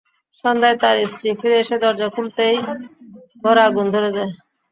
সন্ধ্যায় তাঁর স্ত্রী ফিরে এসে দরজা খুলতেই ঘরে আগুন ধরে যায়।